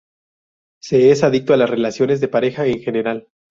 Se es adicto a las relaciones de pareja en general.